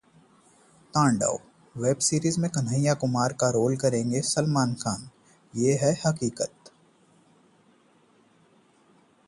'तांडव': web series में कन्हैया कुमार का रोल करेंगे सलमान खान? ये है हकीकत